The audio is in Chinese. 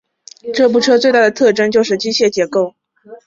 这部车最大的特征就是机械结构与引擎的置放位子。